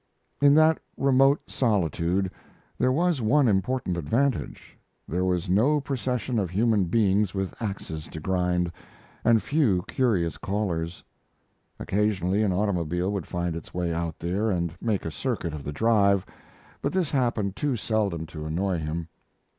In that remote solitude there was one important advantage there was no procession of human beings with axes to grind, and few curious callers. Occasionally an automobile would find its way out there and make a circuit of the drive, but this happened too seldom to annoy him.